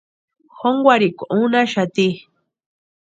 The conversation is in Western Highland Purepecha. Jónkwarhikwa únhaxati.